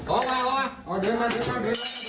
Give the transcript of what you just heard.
ออสุดยอด